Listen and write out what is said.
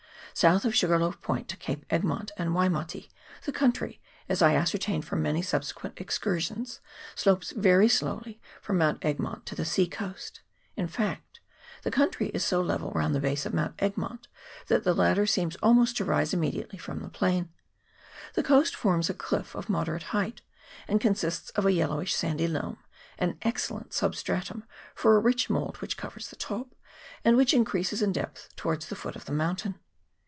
South of Sugarloaf Point to Cape Egmont and Waimati, the country, as I ascertained from many subsequent excursions, slopes very slowly from Mount Egmont to the sea coast. In fact, the country is so level round the base of Mount Egmont that the latter seems almost to rise immediately from the plain. The coast forms a cliff of moderate height, and consists of a yellowish sandy loam an excellent substratum for a rich mould which covers the top, and which increases in depth towards the foot of the mountain.